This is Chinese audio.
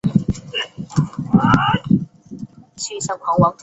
他的才华受到其他音乐家的重视。